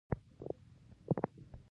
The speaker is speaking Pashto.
د کلام الله مجید د څو آیتونو قرائت وشو.